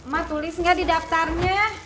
mak tulis nggak di daftarnya